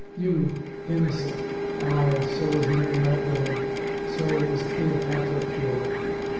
" You, innocent ! Aye, so was Mary Magdalen! So was Cleopatra pure!